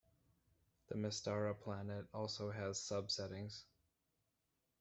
The Mystara planet also has sub-settings.